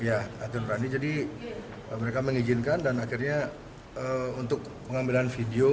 ya aturan berani jadi mereka mengizinkan dan akhirnya untuk pengambilan video